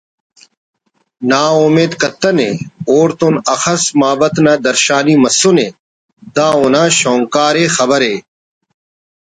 نااومیت کتنے اوڑ تون اخس مابت نا درشانی مسنے دا اونا شونکار ءِ خبر ءِ